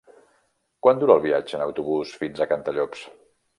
Quant dura el viatge en autobús fins a Cantallops?